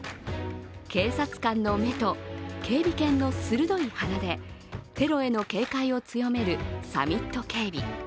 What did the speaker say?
警察官の目と警備犬の鋭い鼻でテロへの警戒を強めるサミット警備。